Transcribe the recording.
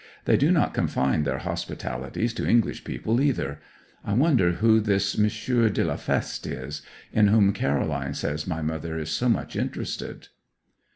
They do not confine their hospitalities to English people, either. I wonder who this M. de la Feste is, in whom Caroline says my mother is so much interested.